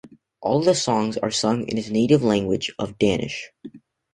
All of the songs are sung in his native language of Danish.